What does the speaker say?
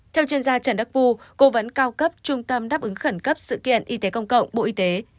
theo chuyên gia trần đắc phu cố vấn cao cấp trung tâm đáp ứng khẩn cấp sự kiện y tế công cộng bộ y tế